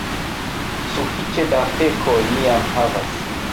sufiĉe da pekoj mi jam havas.